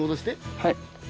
はい。